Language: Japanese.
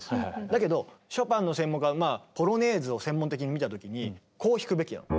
だけどショパンの専門家はポロネーズを専門的に見たときにこう弾くべきなの。